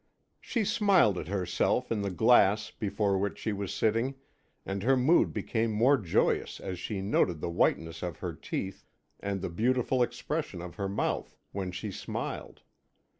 She smiled at herself in the glass before which she was sitting, and her mood became more joyous as she noted the whiteness of her teeth and the beautiful expression of her mouth when she smiled.